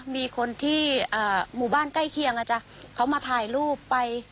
มีคนที่หมู่บ้านใกล้เคียงเขามาถ่ายรูปไป